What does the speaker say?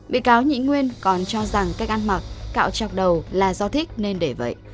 bị cáo nhị nguyên còn cho rằng cách ăn mặc cạo chọc đầu là do thích nên để vậy